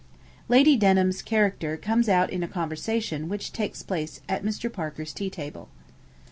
Lady Denham's character comes out in a conversation which takes place at Mr. Parker's tea table.